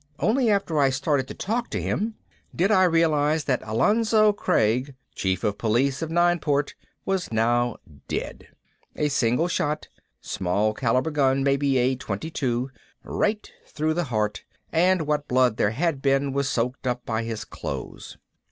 Only after I started to talk to him did I realize that Alonzo Craig, Chief of Police of Nineport, was now dead. A single shot. Small caliber gun, maybe a .22. Right through the heart and what blood there had been was soaked up by his clothes.